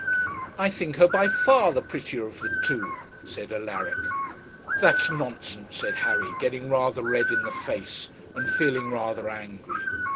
'I think her by far the prettier of the two,' said Alaric. 'That's nonsense,' said Harry, getting rather red in the face, and feeling rather angry.